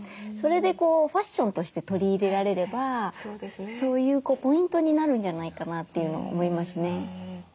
それでファッションとして取り入れられればそういうポイントになるんじゃないかなというのを思いますね。